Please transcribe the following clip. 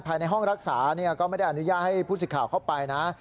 ภายในห้องรักษาก็ไม่ได้อนุญาตให้ผู้สิทธิ์ข่าวเข้าไปนะ